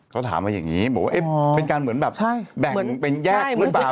เขาถามมาอย่างนี้บอกว่าเป็นการเหมือนแบบแบ่งเป็นแยกหรือเปล่า